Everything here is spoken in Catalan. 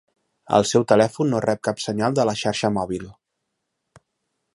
El seu telèfon no rep cap senyal de la xarxa mòbil.